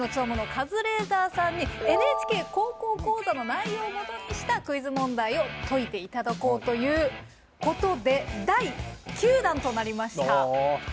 カズレーザーさんに「ＮＨＫ高校講座」の内容をもとにしたクイズ問題を解いていただこうということで第９弾となりました。